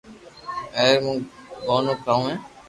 اي رو مون گونو ڪاو ھي